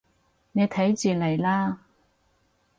你睇住嚟啦